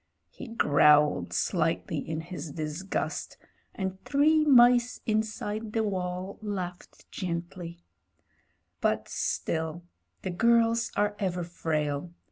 He 214 MEN, WOMEN AND GUNS growled slightly in his disgust, and three mice inside the wall laughed gently. But — still, the girls are ever frail.